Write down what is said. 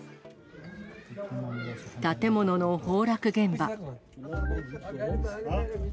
建物の崩落現場。